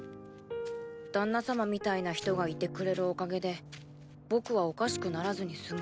ダンナ様みたいな人がいてくれるおかげで僕はおかしくならずに済む。